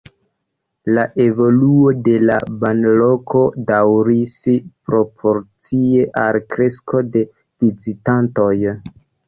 La evoluo de la banloko daŭris proporcie al kresko de vizitantoj.